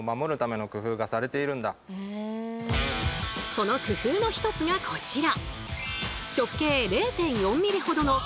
その工夫の一つがこちら。